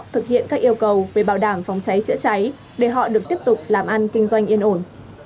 thực hiện các yêu cầu về bảo đảm phòng cháy chữa cháy để họ được tiếp tục làm ăn kinh doanh yên ổn